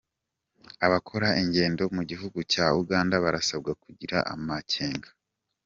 Abakora ingendo mu gihugu cya Uganda barasabwa kugira amakenga